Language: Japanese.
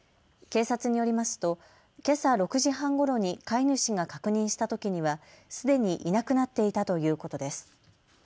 警察によりますとけさ６時半ごろに飼い主が確認したときにはすでにいなくなっていたということです。